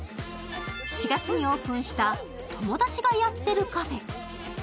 ４月にオープンした友達がやってるカフェ。